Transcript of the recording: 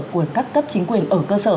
của các cấp chính quyền ở cơ sở